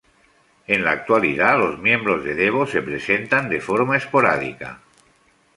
En la actualidad, los miembros de Devo se presentan de forma esporádica.